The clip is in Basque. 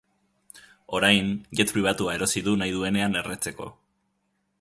Orain, jet pribatua erosi du nahi duenean erretzeko.